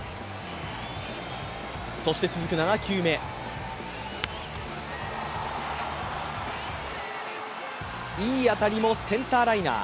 そして、続く７球目いい当たりもセンターライナー。